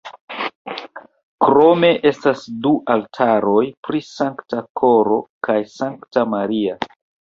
Krome estas du altaroj pri Sankta Koro kaj Sankta Maria.